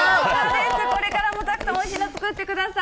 ぜひ、これからもたくさんおいしいの作ってください。